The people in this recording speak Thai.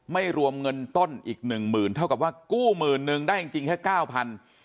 ไม่รวมเงินต้นอีก๑๐๐๐๐เท่ากับว่ากู้๑๐๐๐๐ได้จริงแค่๙๐๐๐